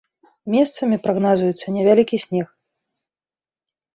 Месцамі прагназуецца невялікі снег.